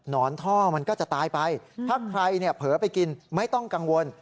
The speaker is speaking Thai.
อนท่อมันก็จะตายไปถ้าใครเนี่ยเผลอไปกินไม่ต้องกังวล